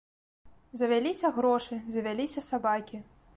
Завяліся грошы, завяліся сабакі.